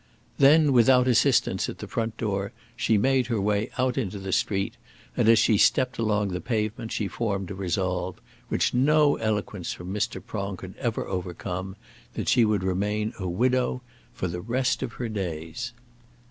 Then, without assistance at the front door she made her way out into the street, and as she stepped along the pavement, she formed a resolve, which no eloquence from Mr. Prong could ever overcome, that she would remain a widow for the rest of her days.